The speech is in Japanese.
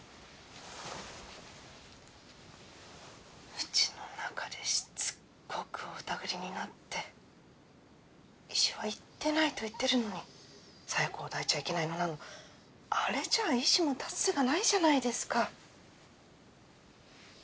うちの中でしつこくお疑りになって石は行ってないと言ってるのに左枝子を抱いちゃいけないの何のあれじゃ石も立つ瀬がないじゃないですか。